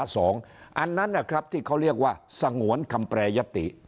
อันนั้นนะครับที่เขาเรียกว่าสงวนคำแปรยติ